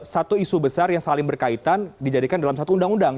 satu isu besar yang saling berkaitan dijadikan dalam satu undang undang